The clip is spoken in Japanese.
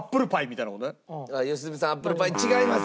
良純さんアップルパイ違います。